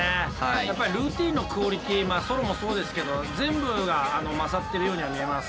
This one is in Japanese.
やっぱりルーティーンのクオリティーまあソロもそうですけど全部が勝ってるようには見えます。